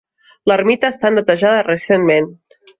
L'ermita ha estat netejada recentment.